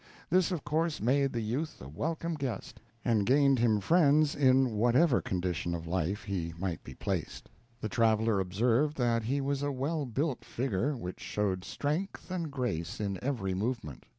This of course made the youth a welcome guest, and gained him friends in whatever condition of his life he might be placed. The traveler observed that he was a well built figure which showed strength and grace in every movement.